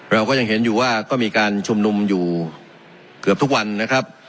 เราก็ยังเห็นอยู่ว่าก็มีการชุมนุมอยู่เกือบทุกวันนะครับ